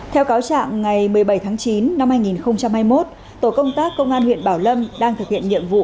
theo cáo trạng ngày một mươi bảy tháng chín năm hai nghìn hai mươi một tổ công tác công an huyện bảo lâm đang thực hiện nhiệm vụ